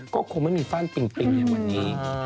ก็คงไม่มีฟั้นปริงเหมือนวันนี้